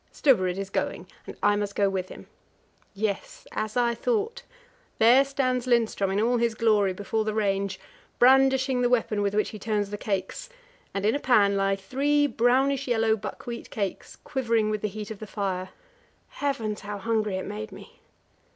Stubberud is going, and I must go with him. Yes, as I thought there stands Lindström in all his glory before the range, brandishing the weapon with which he turns the cakes; and in a pan lie three brownish yellow buckwheat cakes quivering with the heat of the fire. Heavens, how hungry it made me!